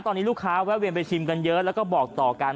ตอนนี้ลูกค้าแวะเวียนไปชิมกันเยอะแล้วก็บอกต่อกัน